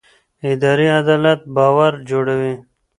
اداري عدالت باور جوړوي